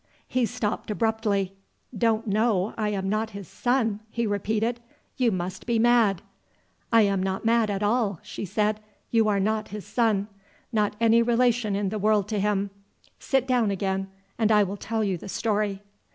He stopped abruptly. "Don't know I am not his son!" he repeated. "You must be mad." "I am not mad at all," she said. "You are not his son. Not any relation in the world to him. Sit down again and I will tell you the story."